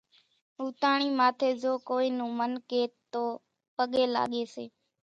ھوتاۿڻي ماٿي زو ڪونئين نون من ڪي تو پڳي لاڳي سي